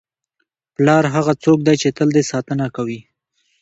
پلار هغه څوک دی چې تل دې ساتنه کوي.